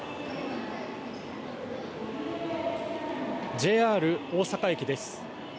ＪＲ大阪駅です。